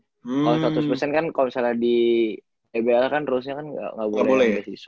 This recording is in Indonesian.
kalo satu persen kan kalo misalnya di ebl kan terusnya kan ga boleh beasiswa